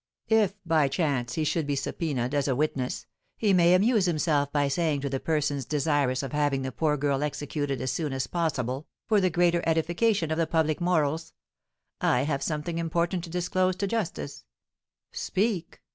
If by chance he should be subpoenaed as a witness, he may amuse himself by saying to the persons desirous of having the poor girl executed as soon as possible, for the greater edification of the public morals, 'I have something important to disclose to justice.' 'Speak!'